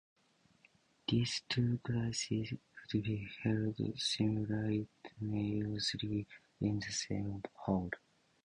These two classes would be held simultaneously in the same hall.